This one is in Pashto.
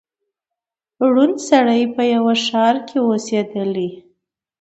ړوند سړی په یوه ښار کي اوسېدلی